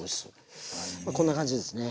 こんな感じですね。